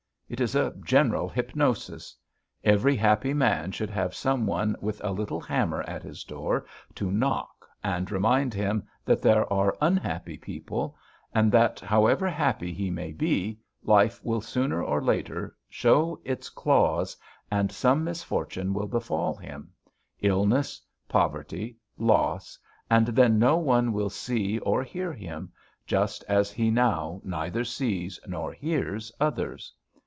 It is a general hypnosis. Every happy man should have some one with a little hammer at his door to knock and remind him that there are unhappy people, and that, however happy he may be, life will sooner or later show its claws, and some misfortune will befall him illness, poverty, loss, and then no one will see or hear him, just as he now neither sees nor hears others.